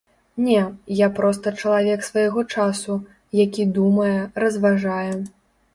Не, я проста чалавек свайго часу, які думае, разважае.